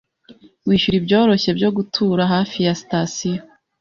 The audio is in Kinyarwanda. Wishyura ibyoroshye byo gutura hafi ya sitasiyo.